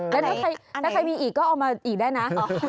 ค่ะแล้วใครมีอีกก็เอาอีกได้นะ